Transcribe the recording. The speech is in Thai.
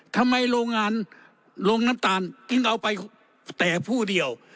ทำไมโรงงานโรงงัตตาลจึงเอาไปแต่ผู้เดียว